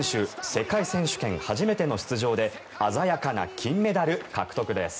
世界選手権初めての出場で鮮やかな金メダル獲得です。